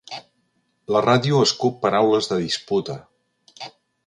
La ràdio escup paraules de disputa.